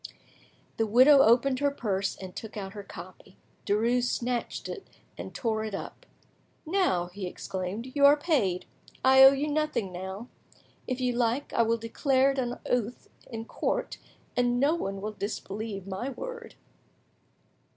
The widow opened her purse and took out her copy; Derues snatched it, and tore it up. "Now," he exclaimed, "you are paid; I owe you nothing now. If you like, I will declare it on oath in court, and no one will disbelieve my word."